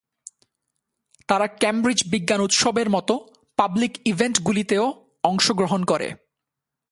তারা ক্যামব্রিজ বিজ্ঞান উৎসবের মতো পাবলিক ইভেন্টগুলিতেও অংশগ্রহণ করে।